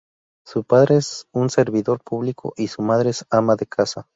Su padre es un servidor público y su madre ama de casa.